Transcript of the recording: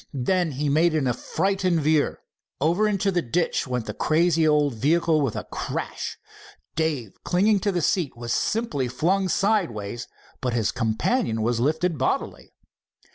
Then he made an affrighted veer. Over into the ditch went the crazy old vehicle with a crash. Dave, clinging to the seat, was simply flung sideways, but his companion was lifted bodily.